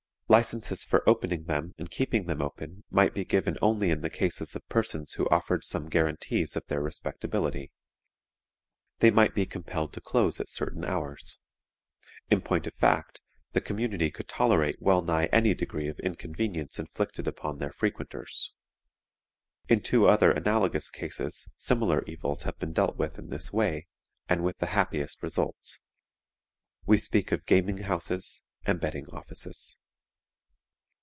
Licenses for opening them and keeping them open might be given only in the cases of persons who offered some guarantees of their respectability. They might be compelled to close at certain hours; in point of fact, the community could tolerate well nigh any degree of inconvenience inflicted upon their frequenters. In two other analogous cases similar evils have been dealt with in this way, and with the happiest results: we speak of gaming houses and betting offices.